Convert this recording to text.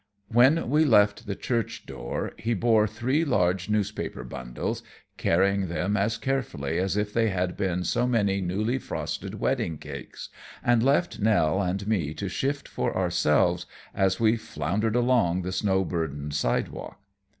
When we left the church door he bore three large newspaper bundles, carrying them as carefully as if they had been so many newly frosted wedding cakes, and left Nell and me to shift for ourselves as we floundered along the snow burdened sidewalk.